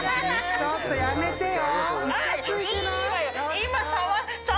ちょっとやめてよ。